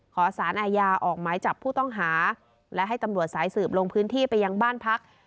ขอสารอาญาออกหมายจับผู้ต้องหาและให้ตำรวจสายสืบลงพื้นที่ไปยังบ้านพัก